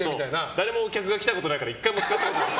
誰も客が来たことがないから１回も使ったことがない。